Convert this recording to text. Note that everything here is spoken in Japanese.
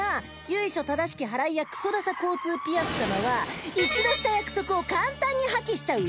由緒正しき祓い屋クソダサ交通ピアス様は一度した約束を簡単に破棄しちゃう